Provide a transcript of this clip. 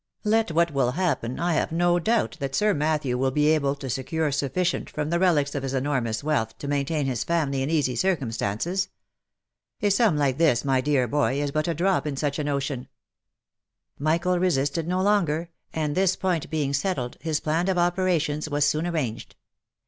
« Let what will happen, I have no doubt that Sir Matthew 342 THE LIFE AND ADVENTURES will be able to secure sufficient from the relics of bis enormous wealth to maintain his family in easy circumstances. A sum like this, my dear boy, is but a drop in such an ocean." Michael resisted no longer, and this point being settled, his plan of operations was soon arranged.